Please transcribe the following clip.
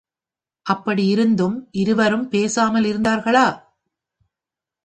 அப்படியிருந்தும், இருவரும் பேசாமல் இருந்தார்களா?